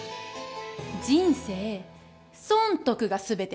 人生損得が全てよ！